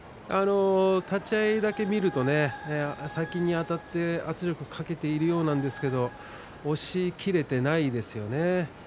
立ち合いだけを見ますと先にあたって圧力をかけているようなんですが押しきれていませんね。